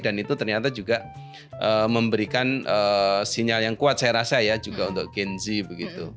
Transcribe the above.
dan itu ternyata juga memberikan sinyal yang kuat saya rasa ya juga untuk gen z begitu